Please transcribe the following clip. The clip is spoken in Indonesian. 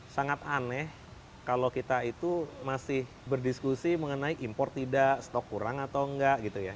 sangat aneh kalau kita itu masih berdiskusi mengenai impor tidak stok kurang atau enggak gitu ya